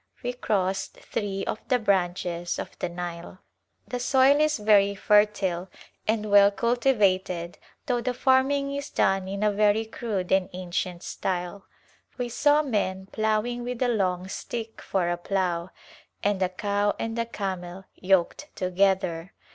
We crossed three of the branches of the Nile. The soil is very fertile and well cultivated though the farming is done in a very crude and ancient [•4] Outward Journey style. We saw men plowing with a long stick for a plow and a cow and a camel yoked together.